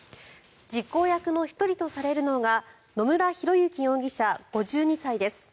実行役の１人とされるのが野村広之容疑者、５２歳です。